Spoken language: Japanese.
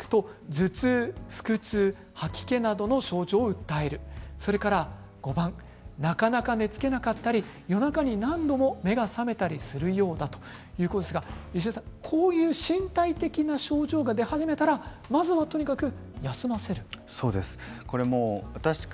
特に注意が必要なのが登校時間が近づくと頭痛、腹痛、吐き気など症状を訴える、それからなかなか寝つけなかったり夜中に何度も起きる目が覚めたりするようだということなんですがこういった身体的な症状が出始めたら、まずはとにかく休ませるということですね。